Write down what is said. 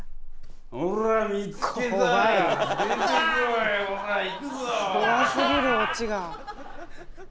怖すぎるオチが。